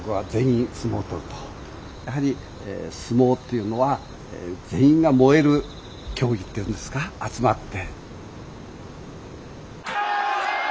やはり相撲っていうのは全員が燃える競技っていうんですか集まって。